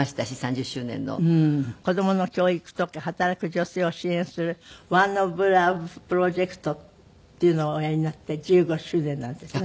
子供の教育とか働く女性を支援するＯｎｅｏｆＬｏｖｅプロジェクトっていうのをおやりになって１５周年なんですって？